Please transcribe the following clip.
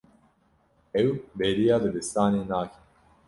Ew bêriya dibistanê nake.